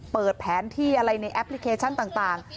เปิดแผนที่อะไรในแอปพลิเคชันต่าง